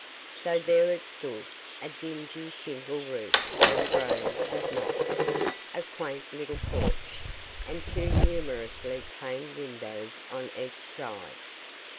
So there it stood a dingy shingle roof overgrown with moss a quaint little porch and two numerously paned windows on each side.